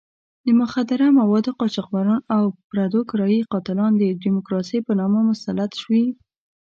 د مخدره موادو قاچاقبران او پردو کرایي قاتلان د ډیموکراسۍ په نامه مسلط شوي.